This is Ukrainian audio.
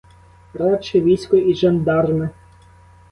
Радше військо і жандарми!